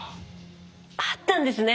あったんですね。